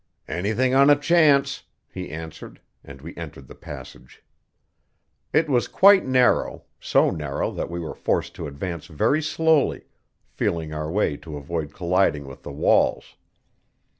"Anything on a chance," he answered, and we entered the passage. It was quite narrow so narrow that we were forced to advance very slowly, feeling our way to avoid colliding with the walls.